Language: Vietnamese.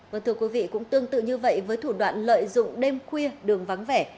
vâng thưa quý vị cũng tương tự như vậy với thủ đoạn lợi dụng đêm khuya đường vắng vẻ